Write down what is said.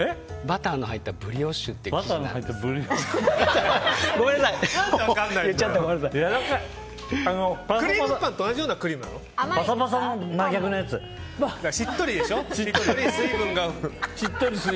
バターの入ったブリオッシュという生地です。